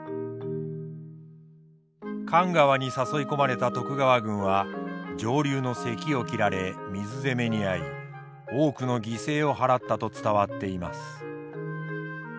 神川に誘い込まれた徳川軍は上流の堰を切られ水攻めに遭い多くの犠牲を払ったと伝わっています。